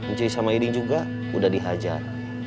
ncuri sama edi juga udah dihajar